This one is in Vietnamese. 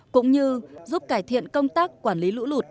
cũng như giúp cải thiện công tác quản lý lũ lụt